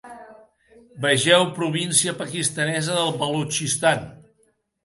Vegeu Província pakistanesa del Balutxistan.